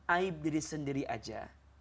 aib diri sendiri aja